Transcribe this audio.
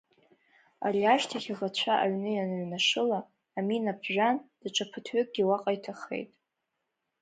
Ари ашьҭахь аӷацәа аҩны ианыҩнашыла, амина ԥжәан, даҽа ԥыҭҩкгьы уаҟа иҭахеит.